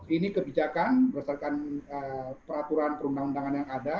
ini kebijakan berdasarkan peraturan perundang undangan yang ada